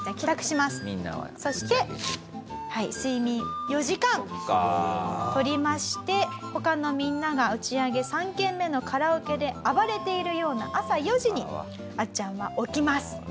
そして睡眠４時間とりまして他のみんなが打ち上げ３軒目のカラオケで暴れているような朝４時にあっちゃんは起きます。